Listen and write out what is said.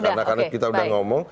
karena kita udah ngomong